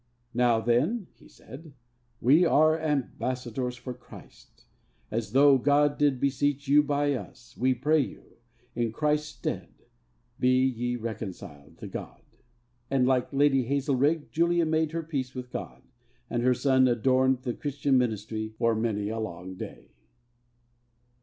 'Now then,' he said, 'we are ambassadors for Christ, as though God did beseech you by us, we pray you, in Christ's stead, be ye reconciled to God.' And, like Lady Hazelrigg, Julia made her peace with God, and her son adorned the Christian ministry for many a long day.